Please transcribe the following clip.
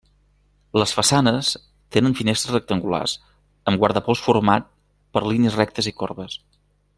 Les façanes tenen finestres rectangulars amb guardapols format per línies rectes i corbes.